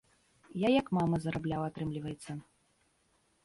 Я як мама зарабляў, атрымліваецца.